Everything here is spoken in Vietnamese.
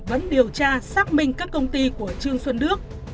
vẫn điều tra xác minh các công ty của trương xuân đức